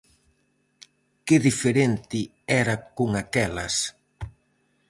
Que diferente era con aquelas!